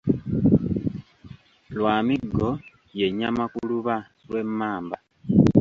Lwamiggo ye nnyama ku luba lw’emmamba.